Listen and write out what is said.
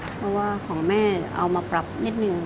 เพราะว่าของแม่เอามาปรับนิดนึง